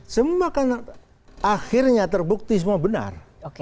semua kan akhirnya terbukti semua benar